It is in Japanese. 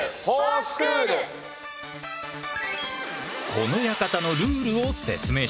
この館のルールを説明しよう。